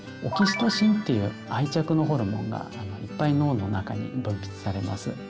オキシトシンっていう愛着のホルモンがいっぱい脳の中に分泌されます。